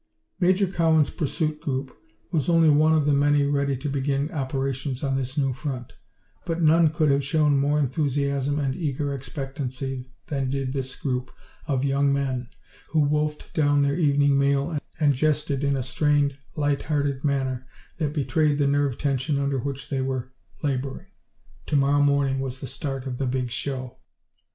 Major Cowan's pursuit group was only one of the many ready to begin operations on this new front, but none could have shown more enthusiasm and eager expectancy than did this group of young men who wolfed down their evening meal and jested in a strained, light hearted manner that betrayed the nerve tension under which they were laboring. To morrow morning was the start of the Big Show!